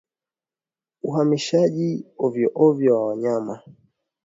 Uhamishaji ovyoovyo wa wanyama